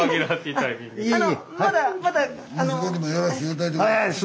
はい。